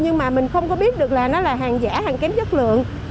nhưng mà mình không có biết được là nó là hàng giả hàng kém chất lượng